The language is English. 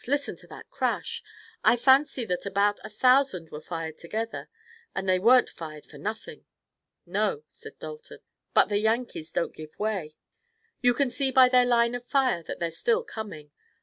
Listen to that crash. I fancy that about a thousand were fired together, and they weren't fired for nothing." "No," said Dalton, "but the Yankees don't give way. You can see by their line of fire that they're still coming.